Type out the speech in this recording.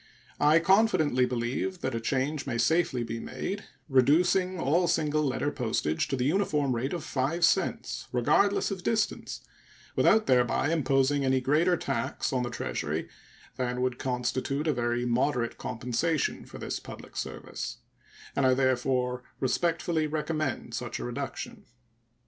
I confidently believe that a change may safely be made reducing all single letter postage to the uniform rate of 5 cents, regardless of distance, without thereby imposing any greater tax on the Treasury than would constitute a very moderate compensation for this public service; and I therefore respectfully recommend such a reduction.